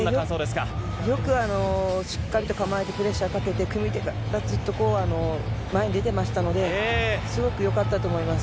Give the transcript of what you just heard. よくしっかりと構えてプレッシャーかけて、組手からずっと前に出てましたので、すごくよかったと思います。